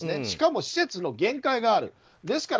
しかも施設の限界がある。